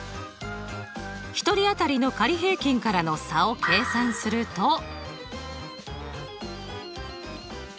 １人当たりの仮平均からの差を計算すると。